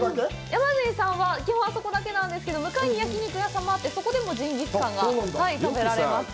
やまじんさんは、基本あそこだけなんですけど、向かいに焼き肉屋さんもあって、そこでもジンギスカンが食べられます。